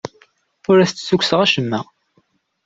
Ur as-d-ssukkseɣ acemma.